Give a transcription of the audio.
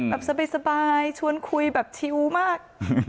แบบสบายชวนคุยแบบชิวมาก